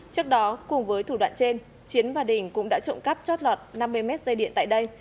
trước đó cùng với thủ đoạn trên chiến và đình cũng đã trộm cắp chót lọt năm mươi mét dây điện tại đây